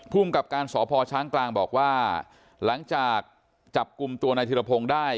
ภูมิกับการสพช้างกลางบอกว่าหลังจากจับกลุ่มตัวนายธิรพงศ์ได้